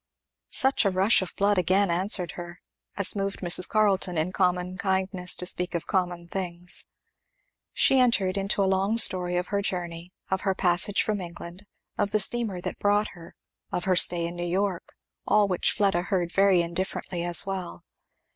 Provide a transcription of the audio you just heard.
Such a rush of blood again answered her as moved Mrs. Carleton in common kindness to speak of common things. She entered into a long story of her journey of her passage from England of the steamer that brought her of her stay in New York; all which Fleda heard very indifferently well.